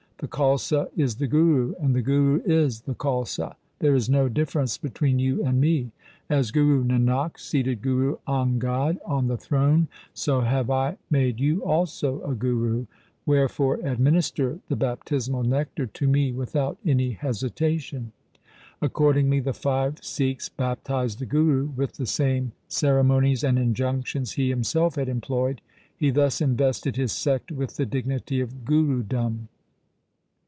The Khalsa is the Guru and the Guru is the Khalsa. There is no difference between you and me. As Guru Nanak seated Guru Angad on the throne, so have I made you also a Guru. Wherefore administer the bap tismal nectar to me without any hesitation.' Accord ingly the five Sikhs baptized the Guru with the same ceremonies and injunctions he himself had employed. He thus invested his sect with the dignity of Gurudom.